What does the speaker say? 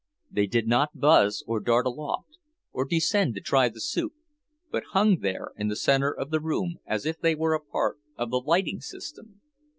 They did not buzz, or dart aloft, or descend to try the soup, but hung there in the center of the room as if they were a part of the lighting system.